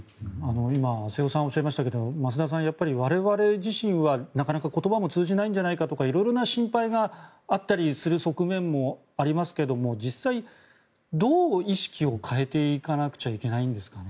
今、瀬尾さんがおっしゃいましたが増田さん我々自身は、なかなか言葉も通じないんじゃないかとかいろいろな心配があったりする側面もありますけど実際どう意識を変えていかなくちゃいけないんですかね。